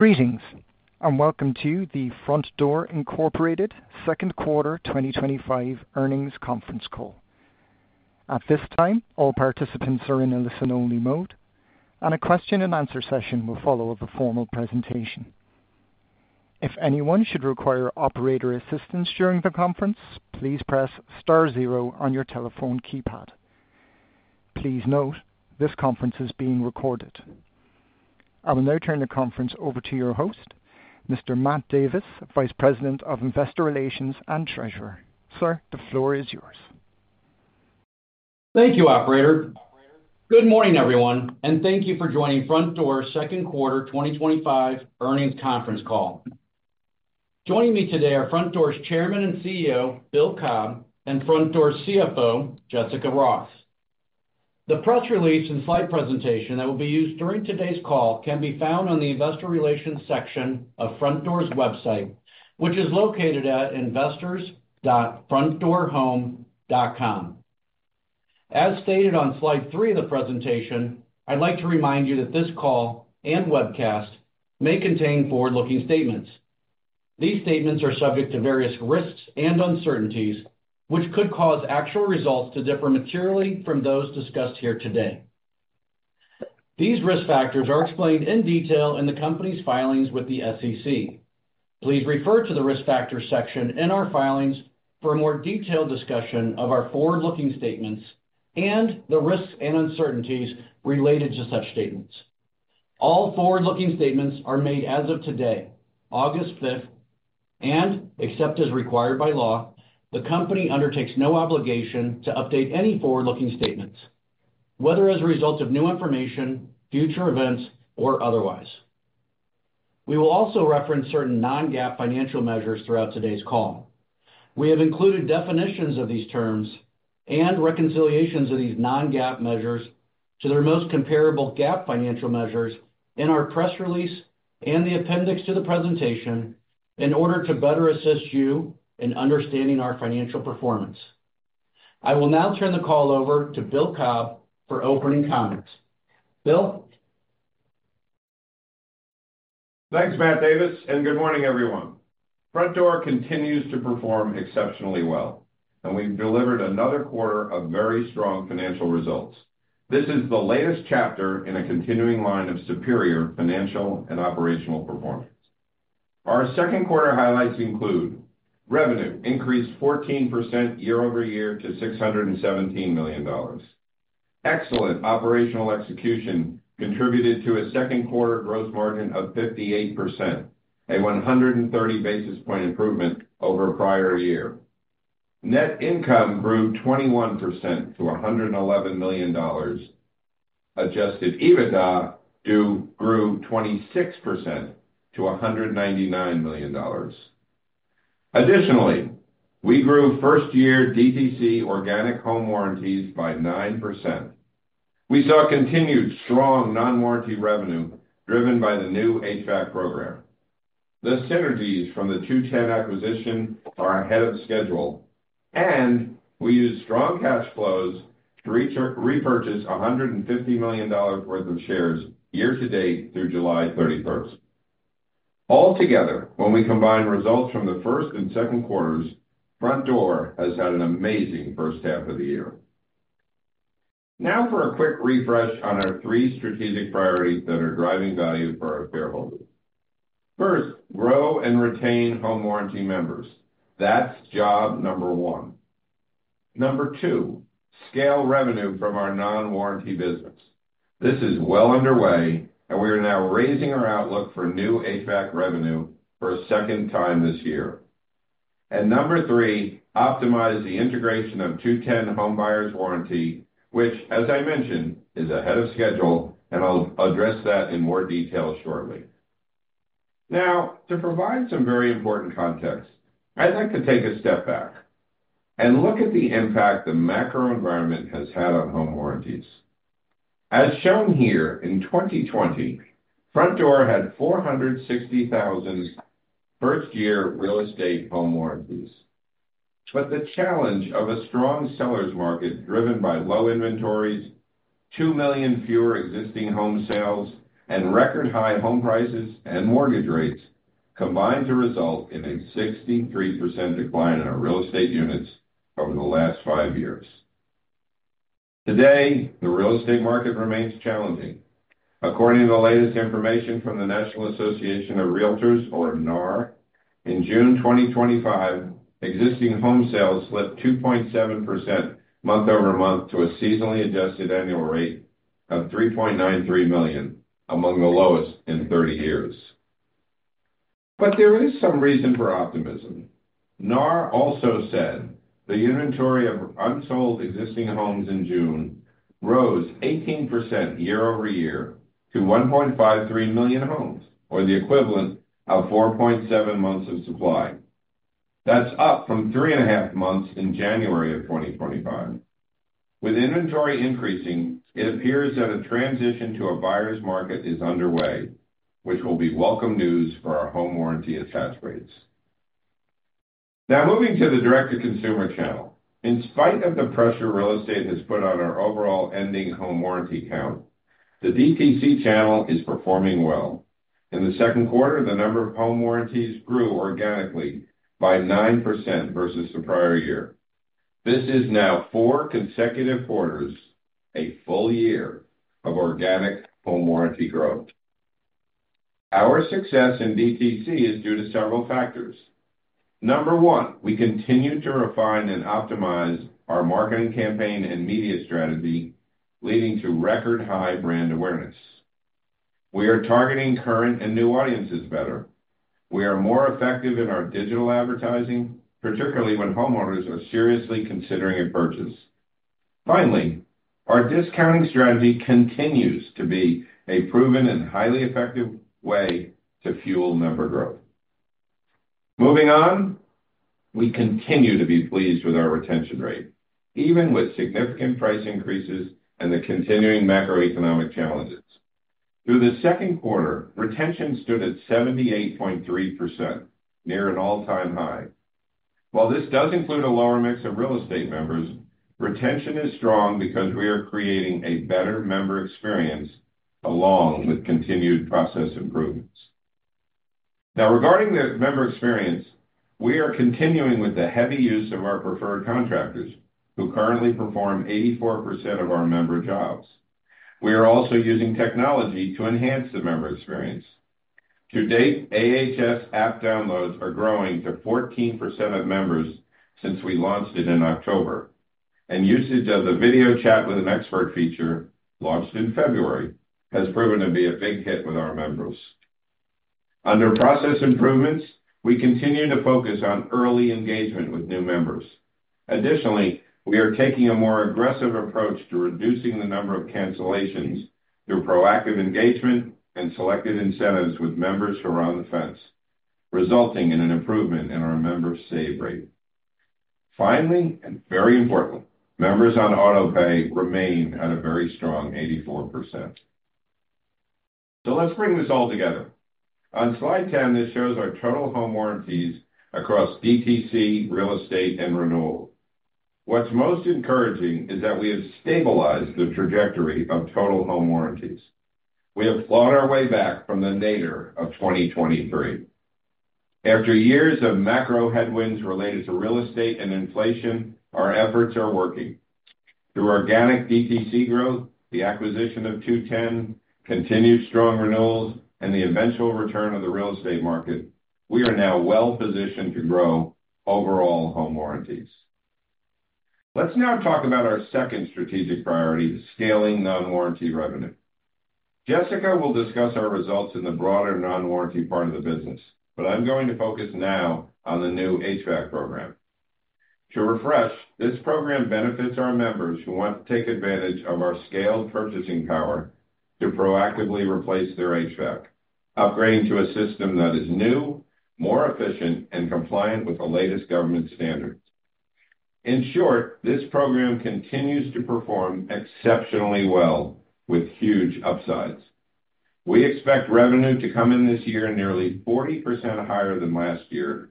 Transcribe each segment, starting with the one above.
Greetings, and welcome to the Frontdoor, Inc. Second Quarter 2025 Earnings Conference Call. At this time, all participants are in a listen-only mode, and a question-and-answer session will follow the formal presentation. If anyone should require operator assistance during the conference, please press star zero on your telephone keypad. Please note, this conference is being recorded. I will now turn the conference over to your host, Mr. Matt Davis, Vice President of Investor Relations and Treasurer. Sir, the floor is yours. Thank you, Operator. Good morning, everyone, and thank you for joining Frontdoor's Second Quarter 2025 Earnings Conference Call. Joining me today are Frontdoor's Chairman and CEO, Bill Cobb, and Frontdoor's CFO, Jessica Ross. The press release and slide presentation that will be used during today's call can be found on the Investor Relations section of Frontdoor's website, which is located at investors.frontdoorhome.com. As stated on slide three of the presentation, I'd like to remind you that this call and webcast may contain forward-looking statements. These statements are subject to various risks and uncertainties, which could cause actual results to differ materially from those discussed here today. These risk factors are explained in detail in the company's filings with the SEC. Please refer to the risk factors section in our filings for a more detailed discussion of our forward-looking statements and the risks and uncertainties related to such statements. All forward-looking statements are made as of today, August 5, and except as required by law, the company undertakes no obligation to update any forward-looking statements, whether as a result of new information, future events, or otherwise. We will also reference certain non-GAAP financial measures throughout today's call. We have included definitions of these terms and reconciliations of these non-GAAP measures to their most comparable GAAP financial measures in our press release and the appendix to the presentation in order to better assist you in understanding our financial performance. I will now turn the call over to Bill Cobb for opening comments. Bill? Thanks, Matt Davis, and good morning, everyone. Frontdoor continues to perform exceptionally well, and we've delivered another quarter of very strong financial results. This is the latest chapter in a continuing line of superior financial and operational performance. Our second quarter highlights include revenue increased 14% year-over-year to $617 million. Excellent operational execution contributed to a second quarter gross margin of 58%, a 130 basis point improvement over a prior year. Net income grew 21% to $111 million. Adjusted EBITDA grew 26% to $199 million. Additionally, we grew first-year DTC organic home warranties by 9%. We saw continued strong non-warranty revenue driven by the new HVAC upgrade program. The synergies from the 2-10 acquisition are ahead of schedule, and we used strong cash flows to repurchase $150 million worth of shares year to date through July 31. Altogether, when we combine results from the first and second quarters, Frontdoor has had an amazing first half of the year. Now for a quick refresh on our three strategic priorities that are driving value for our shareholders. First, grow and retain home warranty members. That's job number one. Number two, scale revenue from our non-warranty business. This is well underway, and we are now raising our outlook for new HVAC revenue for a second time this year. Number three, optimize the integration of 2-10 Home Buyers Warranty, which, as I mentioned, is ahead of schedule, and I'll address that in more detail shortly. Now, to provide some very important context, I'd like to take a step back and look at the impact the macro environment has had on home warranties. As shown here in 2020, Frontdoor had 460,000 first-year real estate home warranties. The challenge of a strong seller's market driven by low inventories, 2 million fewer existing home sales, and record high home prices and mortgage rates combined to result in a 63% decline in our real estate units over the last five years. Today, the real estate market remains challenging. According to the latest information from the National Association of Realtors, or NAR, in June 2025, existing home sales slipped 2.7% month-over-month to a seasonally adjusted annual rate of 3.93 million, among the lowest in 30 years. There is some reason for optimism. NAR also said the inventory of unsold existing homes in June rose 18% year-over-year to 1.53 million homes, or the equivalent of 4.7 months of supply. That's up from three and a half months in January of 2025. With inventory increasing, it appears that a transition to a buyer's market is underway, which will be welcome news for our home warranty attach rates. Now, moving to the direct-to-consumer channel, in spite of the pressure real estate has put on our overall ending home warranty count, the DTC channel is performing well. In the second quarter, the number of home warranties grew organically by 9% versus the prior year. This is now four consecutive quarters, a full year of organic home warranty growth. Our success in DTC is due to several factors. Number one, we continue to refine and optimize our marketing campaign and media strategy, leading to record high brand awareness. We are targeting current and new audiences better. We are more effective in our digital advertising, particularly when homeowners are seriously considering a purchase. Finally, our discounting strategy continues to be a proven and highly effective way to fuel member growth. Moving on, we continue to be pleased with our retention rate, even with significant price increases and the continuing macroeconomic challenges. Through the second quarter, retention stood at 78.3%, near an all-time high. While this does include a lower mix of real estate members, retention is strong because we are creating a better member experience along with continued process improvements. Now, regarding the member experience, we are continuing with the heavy use of our preferred contractors, who currently perform 84% of our member jobs. We are also using technology to enhance the member experience. To date, AHS app downloads are growing to 14% of members since we launched it in October, and usage of the video chat with an expert feature launched in February has proven to be a big hit with our members. Under process improvements, we continue to focus on early engagement with new members. Additionally, we are taking a more aggressive approach to reducing the number of cancellations through proactive engagement and selected incentives with members who are on the fence, resulting in an improvement in our members' save rate. Finally, and very important, members on autopay remain at a very strong 84%. Let's bring this all together. On slide 10, this shows our total home warranties across DTC, real estate, and renewal. What's most encouraging is that we have stabilized the trajectory of total home warranties. We have clawed our way back from the nadir of 2023. After years of macro headwinds related to real estate and inflation, our efforts are working. Through organic DTC growth, the acquisition of 2-10, continued strong renewals, and the eventual return of the real estate market, we are now well positioned to grow overall home warranties. Let's now talk about our second strategic priority, the scaling non-warranty revenue. Jessica will discuss our results in the broader non-warranty part of the business, but I'm going to focus now on the new HVAC upgrade program. To refresh, this program benefits our members who want to take advantage of our scale purchasing power to proactively replace their HVAC, upgrading to a system that is new, more efficient, and compliant with the latest government standards. In short, this program continues to perform exceptionally well with huge upsides. We expect revenue to come in this year nearly 40% higher than last year,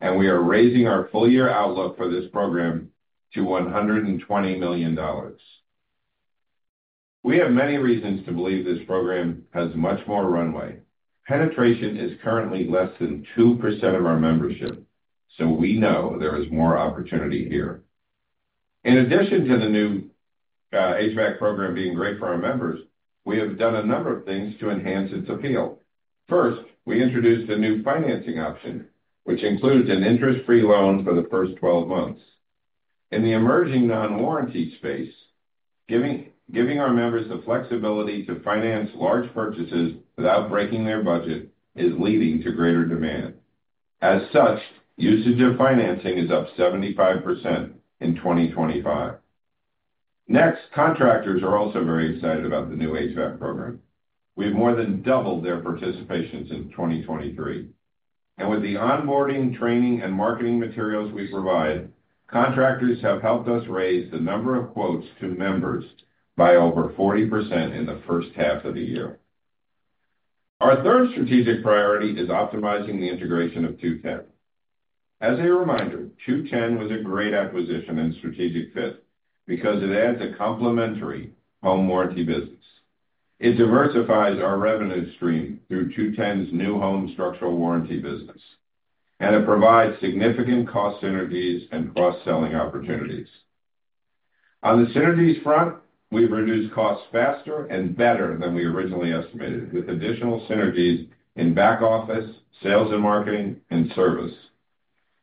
and we are raising our full-year outlook for this program to $120 million. We have many reasons to believe this program has much more runway. Penetration is currently less than 2% of our membership, so we know there is more opportunity here. In addition to the new HVAC upgrade program being great for our members, we have done a number of things to enhance its appeal. First, we introduced a new financing option, which includes an interest-free loan for the first 12 months. In the emerging non-warranty space, giving our members the flexibility to finance large purchases without breaking their budget is leading to greater demand. As such, usage of financing is up 75% in 2025. Next, contractors are also very excited about the new HVAC upgrade program. We've more than doubled their participation in 2023, and with the onboarding, training, and marketing materials we provide, contractors have helped us raise the number of quotes to members by over 40% in the first half of the year. Our third strategic priority is optimizing the integration of 2-10. As a reminder, 2-10 was a great acquisition and strategic fit because it adds a complementary home warranty business. It diversifies our revenue stream through 2-10's new home structural warranty business, and it provides significant cost synergies and cost-selling opportunities. On the synergies front, we've reduced costs faster and better than we originally estimated, with additional synergies in back office, sales and marketing, and service.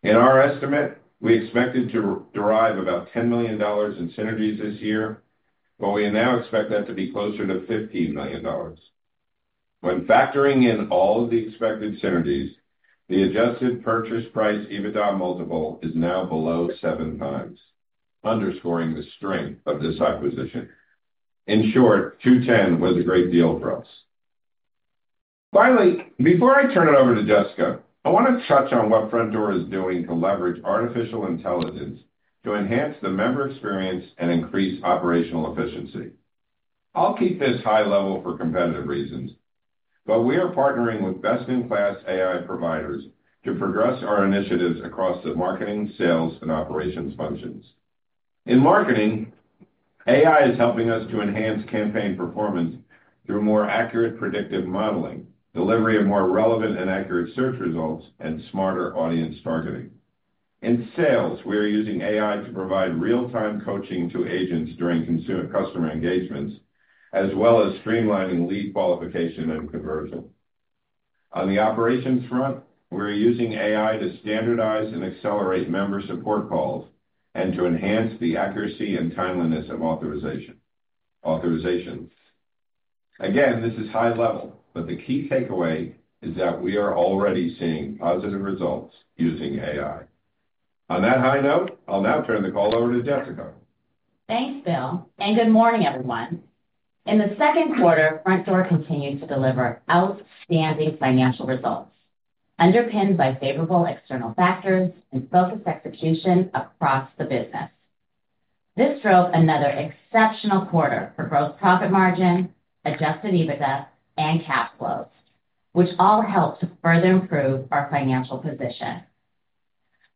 In our estimate, we expected to derive about $10 million in synergies this year, but we now expect that to be closer to $15 million. When factoring in all of the expected synergies, the adjusted purchase price EBITDA multiple is now below 7x, underscoring the strength of this acquisition. In short, 2-10 was a great deal for us. Finally, before I turn it over to Jessica, I want to touch on what Frontdoor is doing to leverage artificial intelligence to enhance the member experience and increase operational efficiency. I'll keep this high level for competitive reasons, but we are partnering with best-in-class AI providers to progress our initiatives across the marketing, sales, and operations functions. In marketing, AI is helping us to enhance campaign performance through more accurate predictive modeling, delivery of more relevant and accurate search results, and smarter audience targeting. In sales, we are using AI to provide real-time coaching to agents during consumer customer engagements, as well as streamlining lead qualification and conversion. On the operations front, we're using AI to standardize and accelerate member support calls and to enhance the accuracy and timeliness of authorizations. Again, this is high level, but the key takeaway is that we are already seeing positive results using AI. On that high note, I'll now turn the call over to Jessica. Thanks, Bill, and good morning, everyone. In the second quarter, Frontdoor continued to deliver outstanding financial results, underpinned by favorable external factors and focused execution across the business. This drove another exceptional quarter for gross profit margin, adjusted EBITDA, and cash flows, which all helped to further improve our financial position.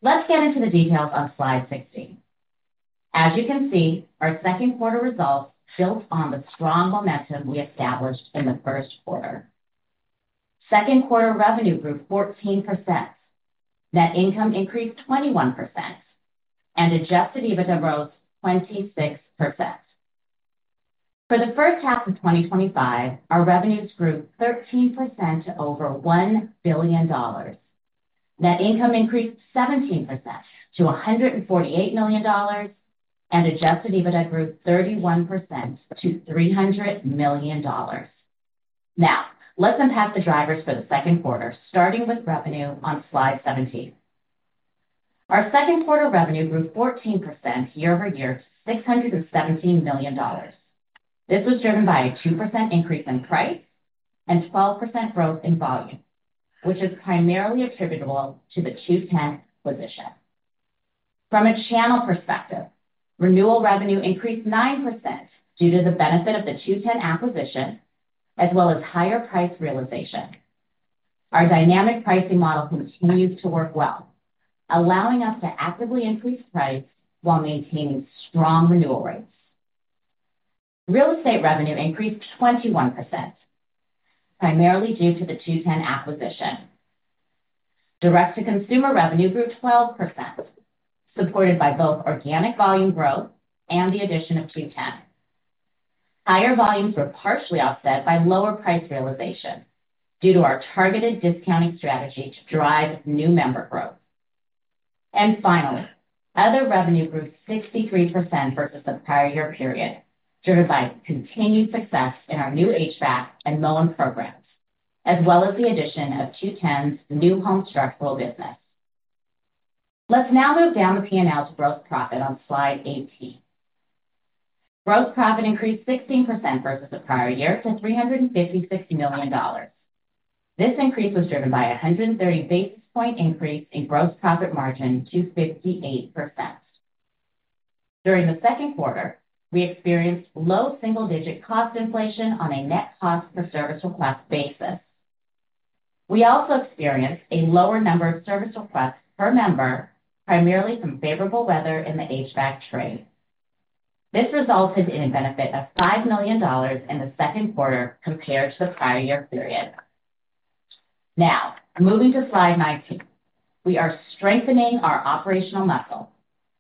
Let's get into the details on slide 60. As you can see, our second quarter results built on the strong momentum we established in the first quarter. Second quarter revenue grew 14%, net income increased 21%, and adjusted EBITDA rose 26%. For the first half of 2025, our revenues grew 13% to over $1 billion. Net income increased 17% to $148 million, and adjusted EBITDA grew 31% to $300 million. Now, let's unpack the drivers for the second quarter, starting with revenue on slide 17. Our second quarter revenue grew 14% year-over-year, $617 million. This was driven by a 2% increase in price and 12% growth in volume, which is primarily attributable to the 2-10 acquisition. From a channel perspective, renewal revenue increased 9% due to the benefit of the 2-10 acquisition, as well as higher price realization. Our dynamic pricing model continues to work well, allowing us to actively increase price while maintaining strong renewal rates. Real estate revenue increased 21%, primarily due to the 2-10 acquisition. Direct-to-consumer revenue grew 12%, supported by both organic volume growth and the addition of 2-10. Higher volumes were partially offset by lower price realization due to our targeted discounting strategy to drive new member growth. Finally, other revenue grew 63% versus the prior year period, driven by continued success in our new HVAC and Moen programs, as well as the addition of 2-10's new home structural business. Let's now move down the P&L to gross profit on slide 18. Gross profit increased 16% versus the prior year to $356 million. This increase was driven by a 130 basis point increase in gross profit margin to 58%. During the second quarter, we experienced low single-digit cost inflation on a net cost-per-service request basis. We also experienced a lower number of service requests per member, primarily from favorable weather in the HVAC trade. This resulted in a benefit of $5 million in the second quarter compared to the prior year period. Now, moving to slide 19, we are strengthening our operational muscle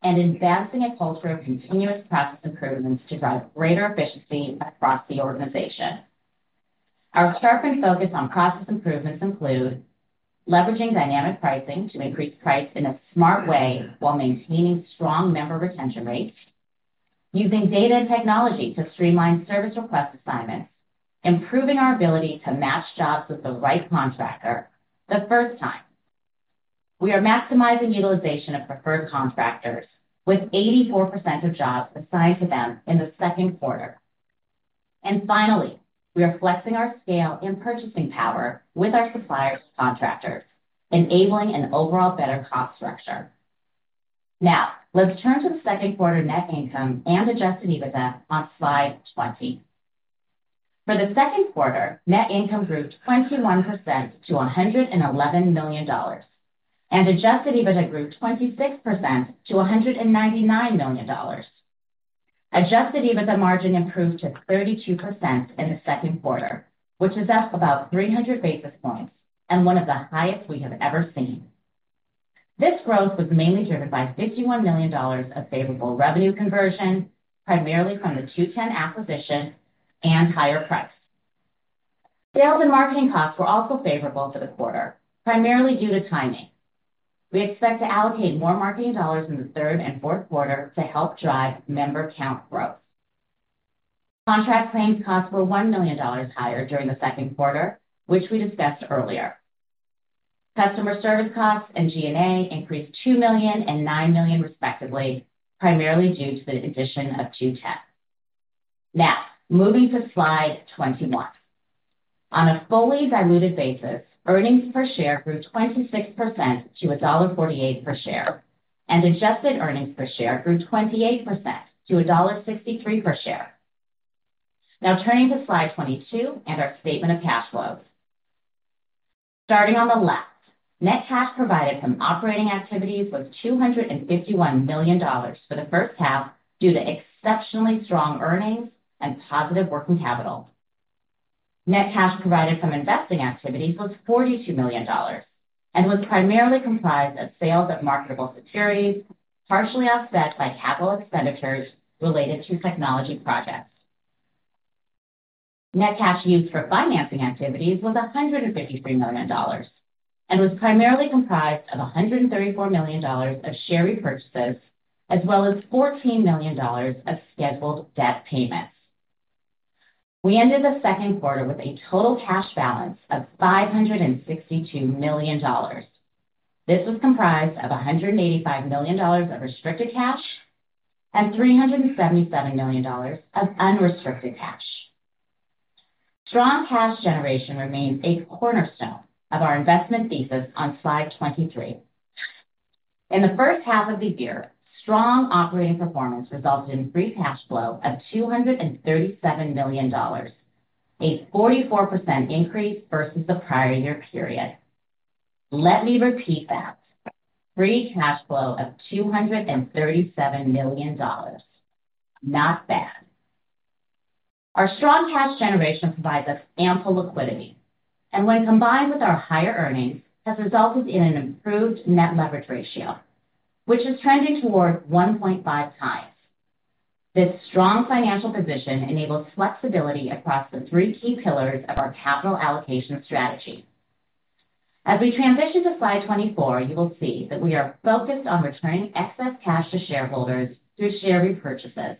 and advancing a culture of continuous process improvements to drive greater efficiency across the organization. Our sharp focus on process improvements includes leveraging dynamic pricing to increase price in a smart way while maintaining strong member retention rates, using data and technology to streamline service request assignments, improving our ability to match jobs with the right contractor the first time. We are maximizing utilization of preferred contractors with 84% of jobs assigned to them in the second quarter. Finally, we are flexing our scale and purchasing power with our suppliers' contractors, enabling an overall better cost structure. Now, let's turn to the second quarter net income and adjusted EBITDA on slide 20. For the second quarter, net income grew 21% to $111 million and adjusted EBITDA grew 26% to $199 million. Adjusted EBITDA margin improved to 32% in the second quarter, which is up about 300 basis points and one of the highest we have ever seen. This growth was mainly driven by $51 million of favorable revenue conversion, primarily from the 2-10 acquisition and higher price. Sales and marketing costs were also favorable for the quarter, primarily due to timing. We expect to allocate more marketing dollars in the third and fourth quarter to help drive member count growth. Contract claims costs were $1 million higher during the second quarter, which we discussed earlier. Customer service costs and G&A increased $2 million and $9 million, respectively, primarily due to the addition of 2-10. Now, moving to slide 21. On a fully diluted basis, earnings per share grew 26% to $1.48 per share, and adjusted earnings per share grew 28% to $1.63 per share. Now, turning to slide 22 and our statement of cash flows. Starting on the left, net cash provided from operating activities was $251 million for the first half due to exceptionally strong earnings and positive working capital. Net cash provided from investing activities was $42 million and was primarily comprised of sales of marketable securities, partially offset by capital expenditures related to technology projects. Net cash used for financing activities was $153 million and was primarily comprised of $134 million of share repurchases, as well as $14 million of scheduled debt payments. We ended the second quarter with a total cash balance of $562 million. This was comprised of $185 million of restricted cash and $377 million of unrestricted cash. Strong cash generation remains a cornerstone of our investment thesis on slide 23. In the first half of the year, strong operating performance resulted in free cash flow of $237 million, a 44% increase versus the prior year period. Let me repeat that. Free cash flow of $237 million. Not bad. Our strong cash generation provides us ample liquidity, and when combined with our higher earnings, has resulted in an improved net leverage ratio, which is trending towards 1.5x. This strong financial position enables flexibility across the three key pillars of our capital allocation strategy. As we transition to slide 24, you will see that we are focused on returning excess cash to shareholders through share repurchases.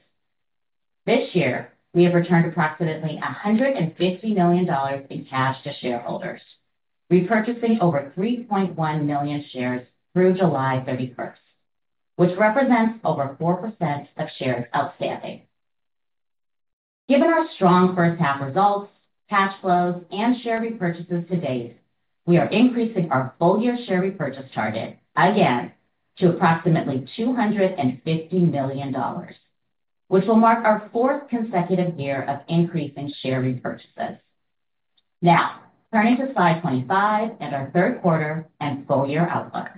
This year, we have returned approximately $150 million in cash to shareholders, repurchasing over 3.1 million shares through July 31, which represents over 4% of shares outstanding. Given our strong first half results, cash flows, and share repurchases to date, we are increasing our full-year share repurchase target again to approximately $250 million, which will mark our fourth consecutive year of increasing share repurchases. Now, turning to slide 25 and our third quarter and full-year outlook.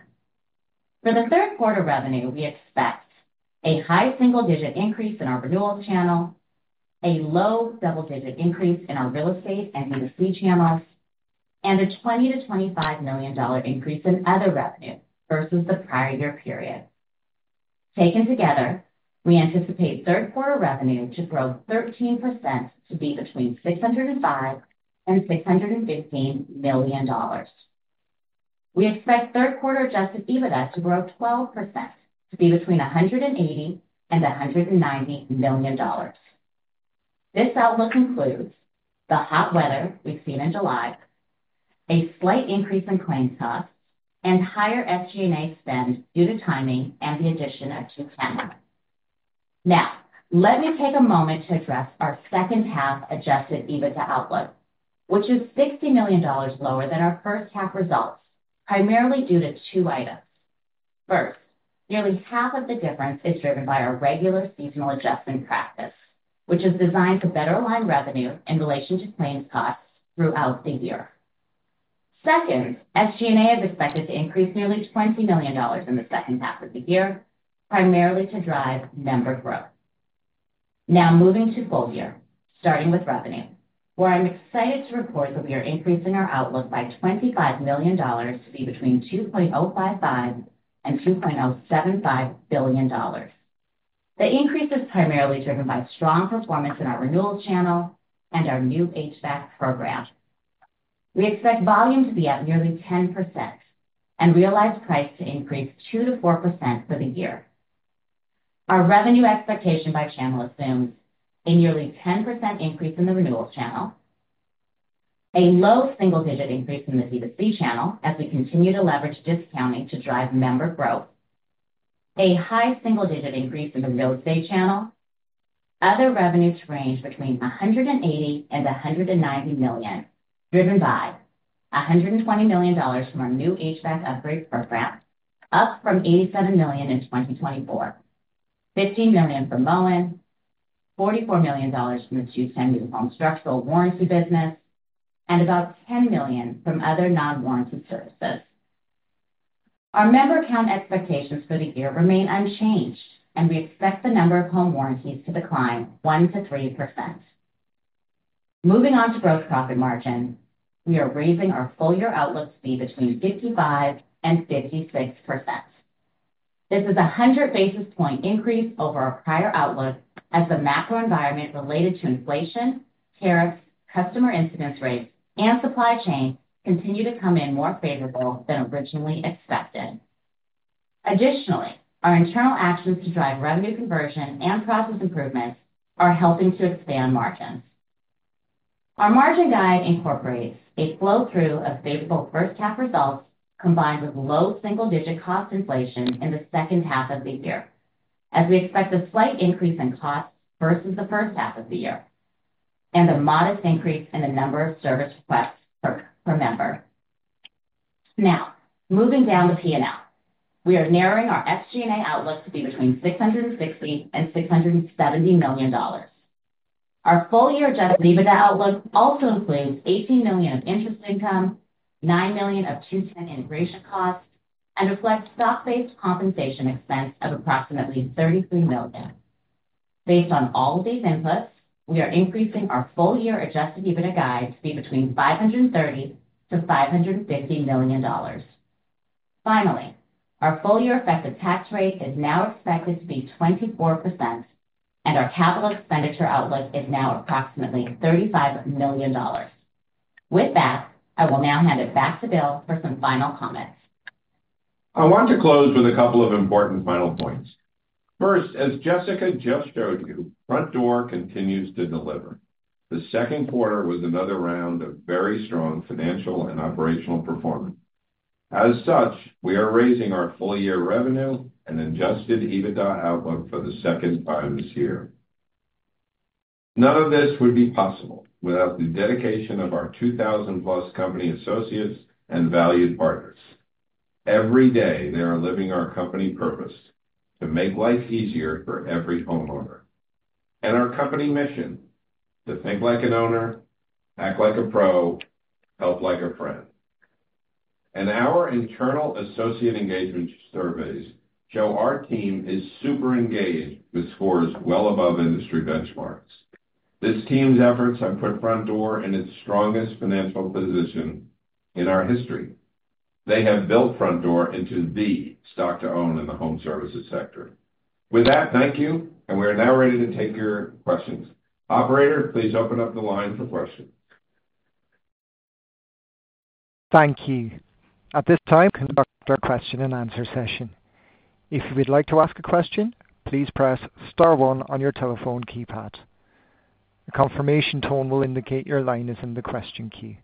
For the third quarter revenue, we expect a high single-digit increase in our renewal channel, a low double-digit increase in our real estate and DTC channels, and a $20 million-$25 million increase in other revenue versus the prior year period. Taken together, we anticipate third quarter revenue to grow 13% to be between $605 million and $615 million. We expect third quarter adjusted EBITDA to grow 12% to be between $180 million and $190 million. This outlook includes the hot weather we've seen in July, a slight increase in claims costs, and higher SG&A spend due to timing and the addition of 2-10. Now, let me take a moment to address our second half adjusted EBITDA outlook, which is $60 million lower than our first half results, primarily due to two items. First, nearly half of the difference is driven by our regular seasonal adjustment practice, which is designed to better align revenue in relation to claims costs throughout the year. Second, SG&A is expected to increase nearly $20 million in the second half of the year, primarily to drive member growth. Now, moving to full year, starting with revenue, where I'm excited to report that we are increasing our outlook by $25 million to be between $2.055 billion and $2.075 billion. The increase is primarily driven by strong performance in our renewal channel and our new HVAC upgrade program. We expect volume to be at nearly 10% and realized price to increase 2%-4% for the year. Our revenue expectation by channel assumes a nearly 10% increase in the renewal channel, a low single-digit increase in the B2C channel as we continue to leverage discounting to drive member growth, a high single-digit increase in the real estate channel, and other revenues range between $180 million and $190 million, driven by $120 million from our new HVAC upgrade program, up from $87 million in 2024, $15 million from Moen, $44 million from the 2-10 new home structural warranty business, and about $10 million from other non-warranty services. Our member count expectations for the year remain unchanged, and we expect the number of home warranties to decline 1%-3%. Moving on to gross profit margin, we are raising our full-year outlook to be between 55% and 56%. This is a 100 basis point increase over our prior outlook as the macro environment related to inflation, tariffs, customer incident rates, and supply chain continue to come in more favorable than originally expected. Additionally, our internal actions to drive revenue conversion and process improvements are helping to expand margins. Our margin guide incorporates a flow-through of favorable first half results combined with low single-digit cost inflation in the second half of the year, as we expect a slight increase in costs versus the first half of the year and a modest increase in the number of service requests per member. Now, moving down the P&L, we are narrowing our SG&A outlook to be between $660 million and $670 million. Our full-year adjusted EBITDA outlook also includes $18 million of interest income, $9 million of 2-10 integration costs, and reflects stock-based compensation expense of approximately $33 million. Based on all of these inputs, we are increasing our full-year adjusted EBITDA guide to be between $530 million-$550 million. Finally, our full-year effective tax rate is now expected to be 24%, and our capital expenditure outlook is now approximately $35 million. With that, I will now hand it back to Bill for some final comments. I want to close with a couple of important final points. First, as Jessica just showed you, Frontdoor continues to deliver. The second quarter was another round of very strong financial and operational performance. As such, we are raising our full-year revenue and adjusted EBITDA outlook for the second five-year period. None of this would be possible without the dedication of our 2,000+ company associates and valued partners. Every day, they are living our company purpose to make life easier for every homeowner. Our company mission is to think like an owner, act like a pro, help like a friend. Our internal associate engagement surveys show our team is super engaged with scores well above industry benchmarks. This team's efforts have put Frontdoor in its strongest financial position in our history. They have built Frontdoor into the stock-to-own in the home services sector. Thank you, and we are now ready to take your questions. Operator, please open up the line for questions. Thank you. At this time, we will conduct our question-and-answer session. If you would like to ask a question, please press star one on your telephone keypad. A confirmation tone will indicate your line is in the question queue,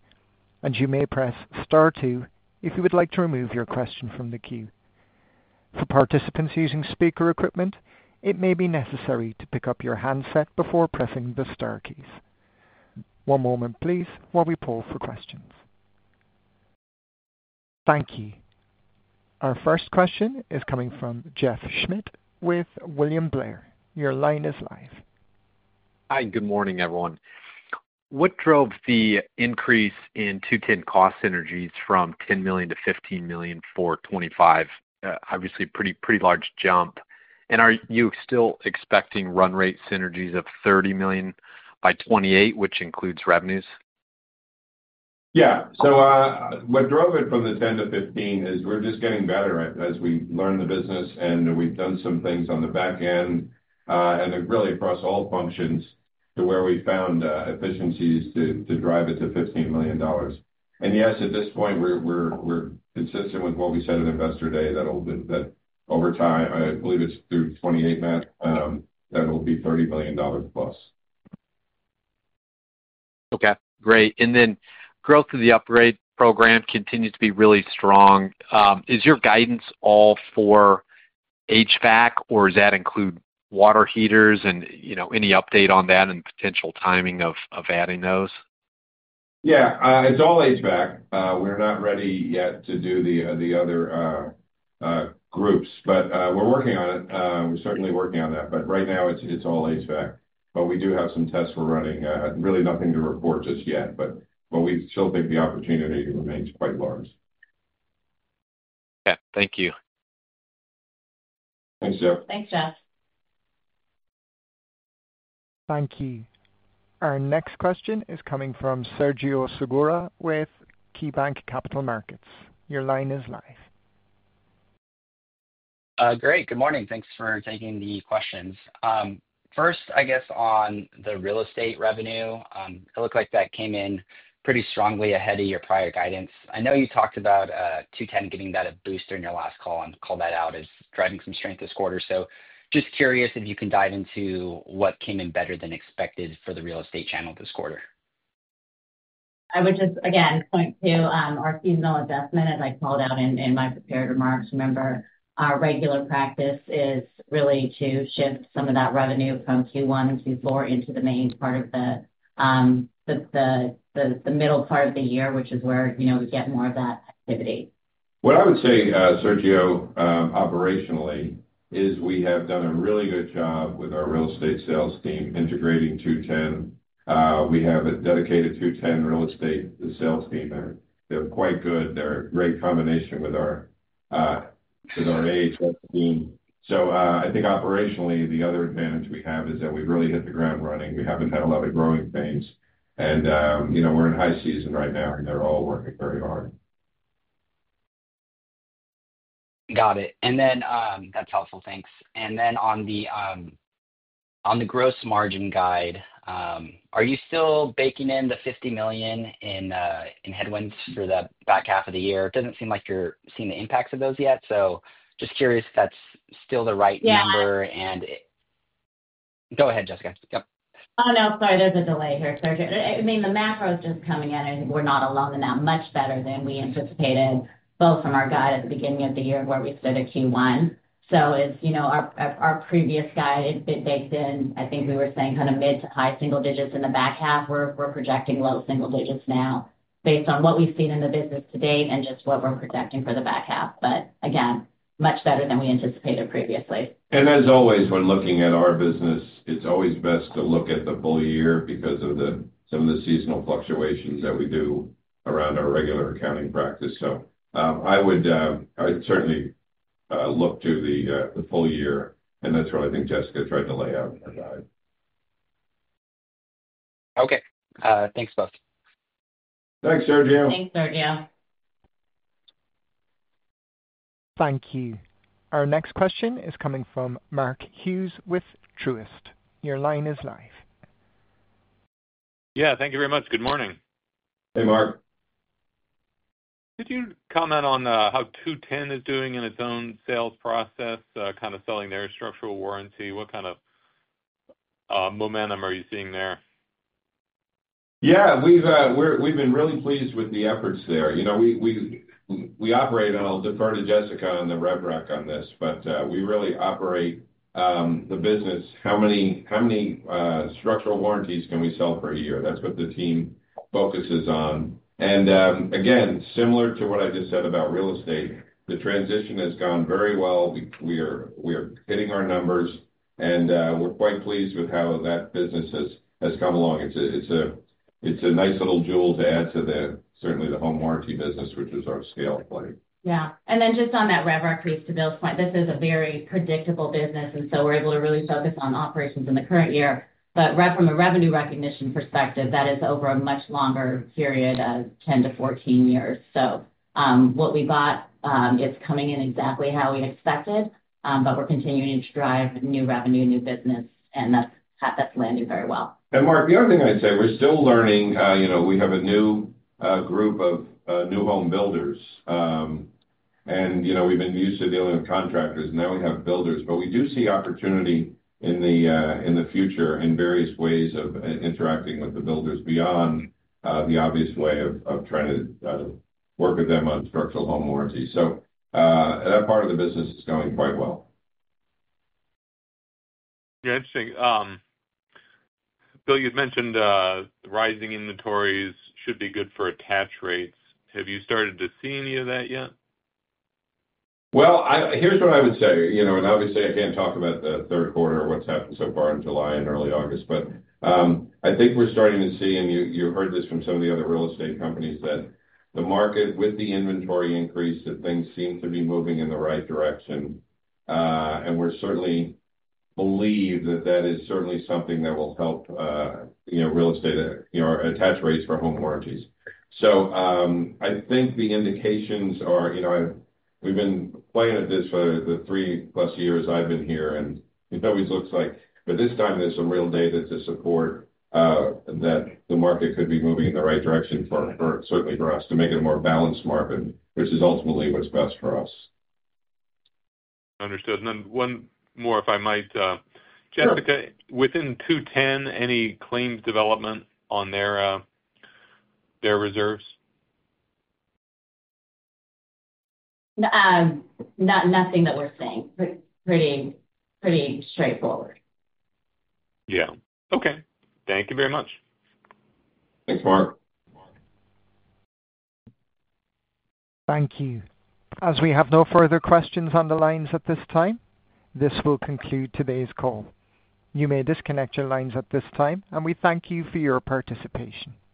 and you may press star two if you would like to remove your question from the queue. For participants using speaker equipment, it may be necessary to pick up your handset before pressing the star keys. One moment, please, while we pull for questions. Thank you. Our first question is coming from Jeff Schmitt with William Blair. Your line is live. Hi, good morning, everyone. What drove the increase in 2-10 cost synergies from $10 million to $15 million for 2025? Obviously, a pretty large jump. Are you still expecting run rate synergies of $30 million by 2028, which includes revenues? What drove it from the $10 million to $15 million is we're just getting better at it as we learn the business, and we've done some things on the back end, really across all functions, to where we found efficiencies to drive it to $15 million. Yes, at this point, we're consistent with what we said in Investor Day that over time, I believe it's through 2028, Matt, that it'll be $30 million+. Okay, great. Growth of the upgrade program continues to be really strong. Is your guidance all for HVAC, or does that include water heaters, and any update on that and potential timing of adding those? Yeah, it's all HVAC. We're not ready yet to do the other groups, but we're working on it. We're certainly working on that. Right now it's all HVAC. We do have some tests we're running and really nothing to report just yet, but we still think the opportunity remains quite large. Okay, thank you. Thanks, Jeff. Thanks, Jeff. Thank you. Our next question is coming from Sergio Segura with KeyBanc Capital Markets. Your line is live. Great, good morning. Thanks for taking the questions. First, I guess on the real estate revenue, it looked like that came in pretty strongly ahead of your prior guidance. I know you talked about 2-10 giving that a boost during your last call and called that out as driving some strength this quarter. Just curious if you can dive into what came in better than expected for the real estate channel this quarter. I would just again point to our seasonal adjustment, as I called out in my prior remarks. Remember, our regular practice is really to shift some of that revenue from Q1 and Q4 into the main part of the middle part of the year, which is where we get more of that activity. What I would say, Sergio, operationally, is we have done a really good job with our real estate sales team integrating 2-10. We have a dedicated 2-10 real estate sales team there. They're quite good. They're a great combination with our AHS team. I think operationally, the other advantage we have is that we've really hit the ground running. We haven't had a lot of growing pains, and you know we're in high season right now, and they're all working very hard. Got it. That's helpful, thanks. On the gross margin guide, are you still baking in the $50 million in headwinds for the back half of the year? It doesn't seem like you're seeing the impacts of those yet. Just curious if that's still the right number. Go ahead, Jessica. Yep. Sorry, there's a delay here, Sergio. I mean, the math I was just coming at, and we're not alone in that. Much better than we anticipated, both from our guide at the beginning of the year and where we stood at Q1. As you know, our previous guide, they've been, I think we were saying, kind of mid to high single digits in the back half. We're projecting low single digits now based on what we've seen in the business to date and just what we're projecting for the back half. Again, much better than we anticipated previously. When looking at our business, it's always best to look at the full year because of some of the seasonal fluctuations that we do around our regular accounting practice. I would certainly look to the full year, and that's what I think Jessica tried to lay out about it. Okay, thanks both. Thanks, Sergio. Thanks, Sergio. Thank you. Our next question is coming from Mark Hughes with Truist. Your line is live. Thank you very much. Good morning. Hey, Mark. Did you comment on how 2-10 is doing in its own sales process, kind of selling their new home structural warranty? What kind of momentum are you seeing there? Yeah, we've been really pleased with the efforts there. You know, we operate, and I'll defer to Jessica on the rubric on this, but we really operate the business. How many structural warranties can we sell per year? That's what the team focuses on. Similar to what I just said about real estate, the transition has gone very well. We are hitting our numbers, and we're quite pleased with how that business has come along. It's a nice little jewel to add to certainly the home warranty business, which is our scale play. Yeah, and then just on that rubric, to Bill's point, this is a very predictable business, and we're able to really focus on operations in the current year. From a revenue recognition perspective, that is over a much longer period of 10-14 years. What we bought is coming in exactly how we expected, but we're continuing to drive new revenue, new business, and that's landing very well. Mark, the other thing I'd say, we're still learning. We have a new group of new home builders, and we've been used to dealing with contractors, and now we have builders, but we do see opportunity in the future and various ways of interacting with the builders beyond the obvious way of trying to work with them on structural home warranties. That part of the business is going quite well. Yeah, interesting. Bill, you'd mentioned rising inventories should be good for attach rates. Have you started to see any of that yet? Here's what I would say. Obviously, I can't talk about the third quarter, what's happened so far in July and early August, but I think we're starting to see, and you heard this from some of the other real estate companies, that the market with the inventory increase, that things seem to be moving in the right direction. We certainly believe that is certainly something that will help real estate attach rates for home warranties. I think the indications are, we've been playing at this for the 3+ years I've been here, and it always looks like this time there's some real data to support that the market could be moving in the right direction, certainly for us, to make it a more balanced market, which is ultimately what's best for us. Understood. One more, if I might. Jessica, within 2-10, any claims development on their reserves? Nothing that we're seeing. Pretty straightforward. Thank you very much. Thanks, Mark. Thank you. As we have no further questions on the lines at this time, this will conclude today's call. You may disconnect your lines at this time, and we thank you for your participation.